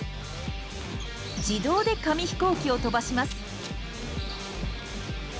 自動で紙飛行機を飛ばします。